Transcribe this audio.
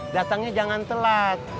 datangnya jangan telat